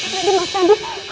tadi mas tadi